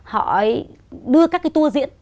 họ đưa các cái tour diễn